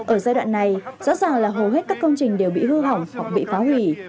ở giai đoạn này rõ ràng là hầu hết các công trình đều bị hư hỏng hoặc bị phá hủy